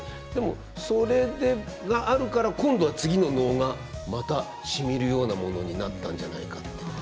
でもそれがあるから今度は次の能がまたしみるようなものになったんじゃないかって。